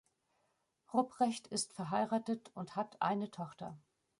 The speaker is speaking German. Rupprecht ist verheiratet und hat eine Tochter.